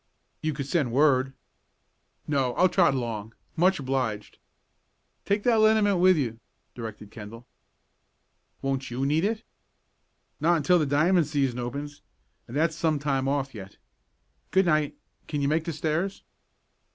"You could send word " "No, I'll trot along. Much obliged." "Take that liniment with you," directed Kendall. "Won't you need it?" "Not until the diamond season opens, and that's some time off yet. Good night can you make the stairs?"